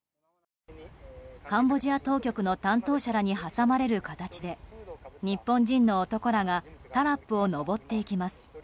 カンボジア当局の担当者らに挟まれる形で日本人の男らがタラップを上っていきます。